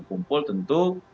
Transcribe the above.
yang kumpul tentu